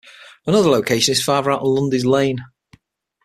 Another location is farther out on Lundy's Lane.